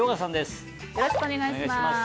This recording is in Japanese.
よろしくお願いします。